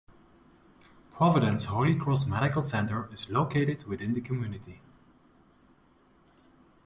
Providence Holy Cross Medical Center is located within the community.